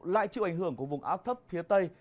lại chịu ảnh hưởng của vùng áp thấp phía tây